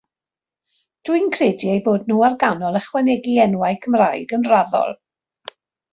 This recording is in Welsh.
Dw i'n credu eu bod nhw ar ganol ychwanegu enwau Cymraeg yn raddol.